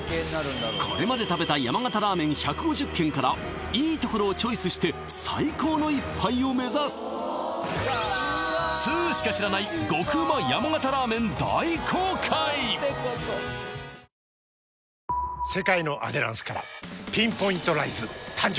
これまで食べた山形ラーメン１５０軒からいいところをチョイスして最高の一杯を目指す通しか知らない最高の一杯へのポイントは２つまずはラーメンの命麺